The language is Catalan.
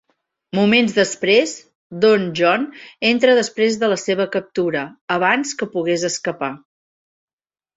Moments després, Don John entra després de la seva captura, abans que pogués escapar.